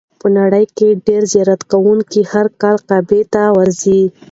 په نړۍ کې ډېر زیارت کوونکي هر کال کعبې ته ورځي.